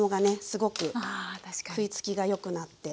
すごく食いつきがよくなって。